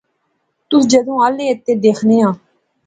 تس جذوں الے آ تے دیخنے آں